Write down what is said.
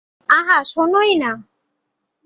আহা, শোনোই না।